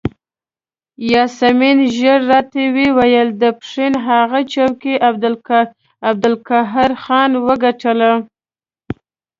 یاسمین ژر راته وویل د پښین هغه څوکۍ عبدالقهار خان وګټله.